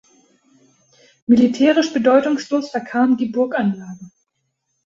Militärisch bedeutungslos verkam die Burganlage.